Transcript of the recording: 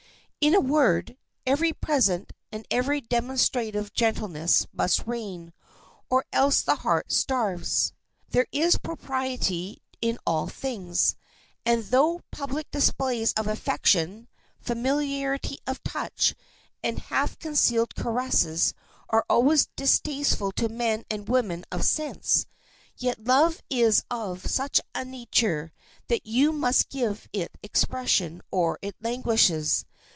In a word, ever present and ever demonstrative gentleness must reign, or else the heart starves. There is propriety in all things, and though public displays of affection, familiarity of touch, and half concealed caresses are always distasteful to men and women of sense, yet love is of such a nature that you must give it expression or it languishes.